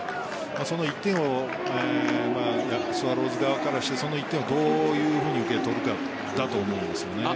その１点をスワローズ側からしてその１点をどう受け取るかだと思うんです。